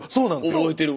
覚えてる。